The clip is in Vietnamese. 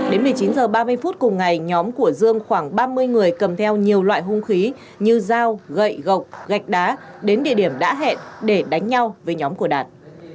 đến một mươi chín h ba mươi phút cùng ngày nhóm của dương khoảng ba mươi người cầm theo nhiều loại hung khí như dao gậy gộc gạch đá đến địa điểm đã hẹn để đánh nhau với nhóm của đạt